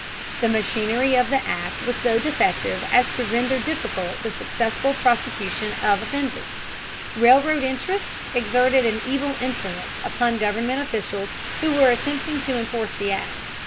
The machinery of the Act was so defective as to render difficult the successful prosecution of offenders. Railroad interests exerted an evil influence upon government officials who were attempting to enforce the Act.